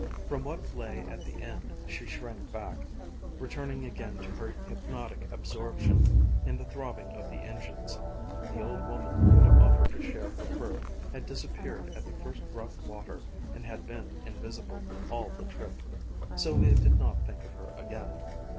From what lay at the end she shrank back, returning again to her hypnotic absorption in the throbbing of the engines. The old woman who had offered to share her berth had disappeared at the first rough water and had been invisible all the trip. Sylvia did not think of her again.